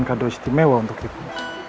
kado istimewa untuk ibu